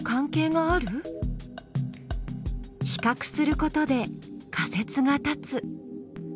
比較することで仮説が立つ。